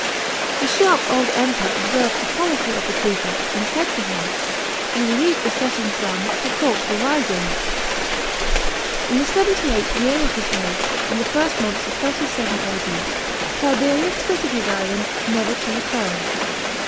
The sh irp old Emperor observed the | olicy of the prefect, and said to him, " You leave the setting sun, to court the rising." In the seveiity eiglith year of his age, in the fir>t months of 37 A D., Tiberius quitted his i>land, never t » return.